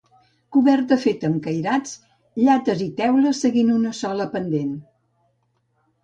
Coberta feta amb cairats, llates i teules seguint una sola pendent.